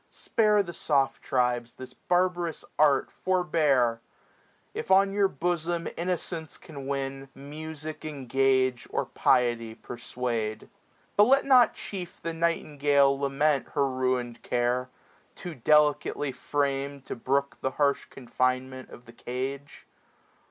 Spare the soft tribes, this barbarous art forbear ; If on your bosom innocence can win. Music engage, or piety persuade. 710 But let not chief the nightingale lament Her ruin'd care, too delicately fram'd To brook the harsh confinement of the cage.